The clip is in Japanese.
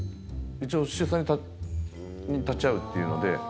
一応、出産に立ち会うっていうので。